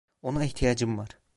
Ona ihtiyacım var.